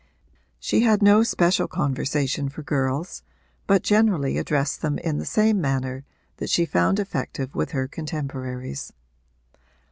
She had no special conversation for girls but generally addressed them in the same manner that she found effective with her contemporaries.